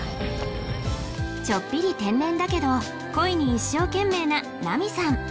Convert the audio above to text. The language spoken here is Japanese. ちょっぴり天然だけど恋に一生懸命なナミさん